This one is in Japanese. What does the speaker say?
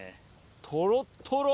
とろっとろ！